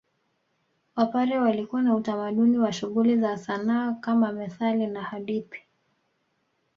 Wapare walikuwa na utamaduni wa shughuli za sanaa kama methali na hadithi